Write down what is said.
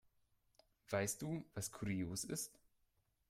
Weißt du, was kurios ist?